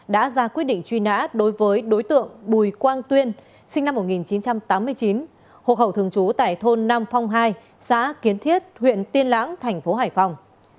đã ra quyết định truy nã đối với đối tượng bùi quang tuyên sinh năm một nghìn chín trăm tám mươi chín hộ khẩu thường trú tại thôn nam phong hai xã kiến thiết huyện tiên lãng thành phố hải phòng